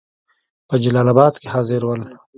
په جلال آباد کې حاضر ول.